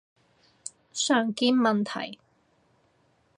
常見問題